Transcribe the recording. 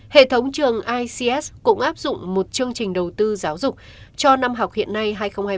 hệ thống trường ics cũng áp dụng một chương trình đầu tư giáo dục cho năm học hiện nay hai nghìn hai mươi ba hai nghìn hai mươi bốn